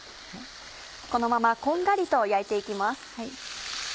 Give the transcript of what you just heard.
このままこんがりと焼いて行きます。